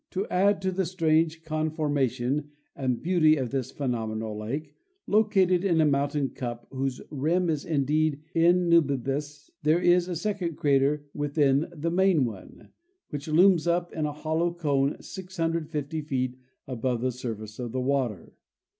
To add to the strange conforma tion and beauty of this phenomenal lake, located in a mountain cup whose rim is indeed in nubibus, there is a second crater within the main one, which looms up in a hollow cone 650 feet above the surface of the water.